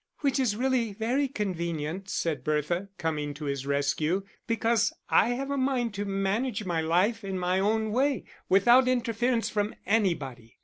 "Which is really very convenient," said Bertha, coming to his rescue, "because I have a mind to manage my life in my own way, without interference from anybody."